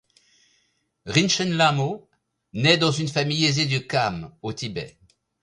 Rinchen Lhamo naît dans une famille aisée de Kham, au Tibet.